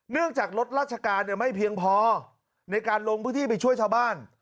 จากรถราชการไม่เพียงพอในการลงพื้นที่ไปช่วยชาวบ้าน